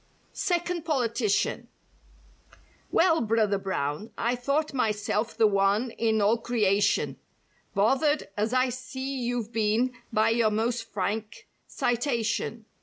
II2 (SECOND POLITICIAN) "Well, Brother Brown, I thought myself the one in all creation "Bothered, as I see you've been by your most frank citation.